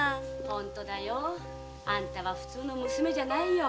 ホントにあんたは普通の娘じゃないよ。